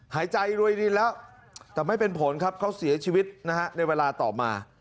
หายใจรวยรินแล้วแต่ไม่เป็นผลครับเขาเสียชีวิตนะฮะในเวลาต่อมา